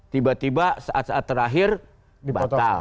tiba tiba saat saat terakhir batal